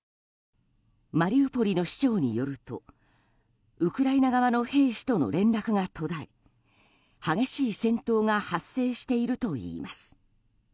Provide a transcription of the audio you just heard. マリウポリの市長によるとウクライナ側の兵士との連絡が途絶え激しい戦闘が発生しているといいます。